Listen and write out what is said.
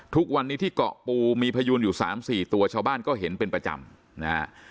ทุกวันนี้ที่เกาะปูมีพยูนอยู่๓๔ตัวชาวบ้านก็เห็นเป็นประจำนะฮะ